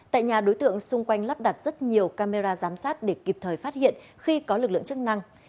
tại nhà đối tượng xung quanh lắp đặt rất nhiều camera giám sát để kịp thời phát hiện khi có lực lượng chức năng